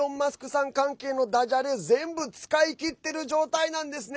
さん関係のだじゃれ、全部使い切っている状態なんですね。